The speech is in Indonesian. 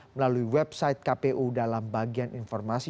melalui website kpu dalam bagian informasi